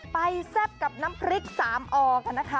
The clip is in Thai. แซ่บกับน้ำพริกสามออกันนะคะ